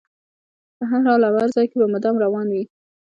په هر حال او هر ځای کې به مدام روان وي.